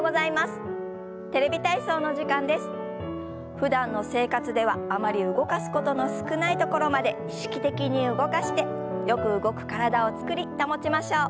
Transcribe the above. ふだんの生活ではあまり動かすことの少ないところまで意識的に動かしてよく動く体を作り保ちましょう。